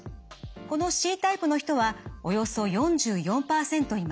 このＣタイプの人はおよそ４４％います。